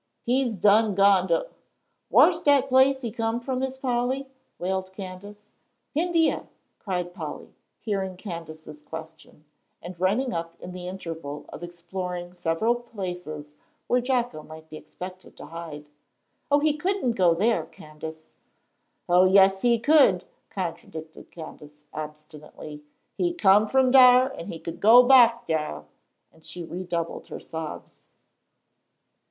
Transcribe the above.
"He's done gone to whar's dat place he come from, Miss Polly?" wailed Candace. "India," cried Polly, hearing Candace's question, and running up in the interval of exploring several places where Jocko might be expected to hide. "Oh, he couldn't go there, Candace." "Oh, yes, he could," contradicted Candace, obstinately; "he come from dar, and he could go back dar;" and she redoubled her sobs.